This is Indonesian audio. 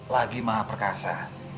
lagi maha perkasa